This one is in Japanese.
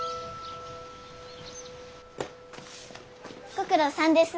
ご苦労さんです。